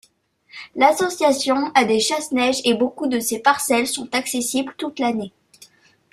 L'Association a des chasse-neige et beaucoup de ces parcelles sont accessibles toute l'année.